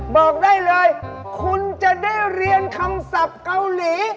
บอกได้เลยคุณจะได้เรียนคำศัพท์เกาหลี